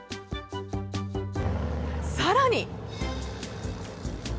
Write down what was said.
さらに。